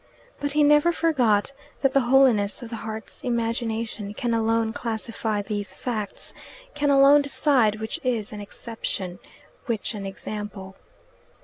But he never forgot that the holiness of the heart's imagination can alone classify these facts can alone decide which is an exception, which an example.